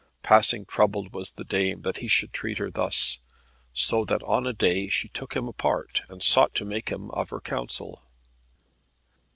Passing troubled was the dame that he should treat her thus; so that on a day she took him apart, and sought to make him of her counsel.